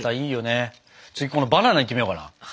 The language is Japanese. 次このバナナいってみようかな。